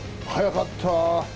早かった。